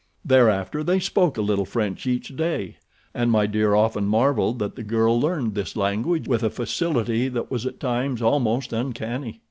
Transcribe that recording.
Thereafter they spoke a little French each day, and My Dear often marveled that the girl learned this language with a facility that was at times almost uncanny.